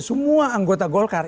semua anggota golkar